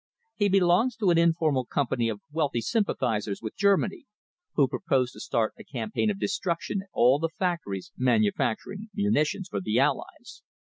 He belongs to an informal company of wealthy sympathisers with Germany, who propose to start a campaign of destruction at all the factories manufacturing munitions for the Allies.